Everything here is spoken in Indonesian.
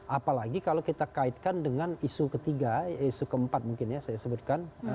apalagi kalau kita kaitkan dengan isu ketiga isu keempat mungkin ya saya sebutkan